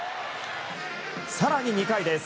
更に２回です。